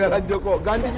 jangan kaget joko